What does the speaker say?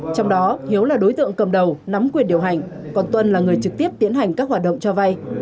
trong đó hiếu là đối tượng cầm đầu nắm quyền điều hành còn tuân là người trực tiếp tiến hành các hoạt động cho vay